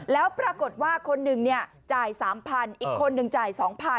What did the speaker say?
แล้วปรากฏว่าคนหนึ่งจ่าย๓๐๐อีกคนหนึ่งจ่าย๒๐๐๐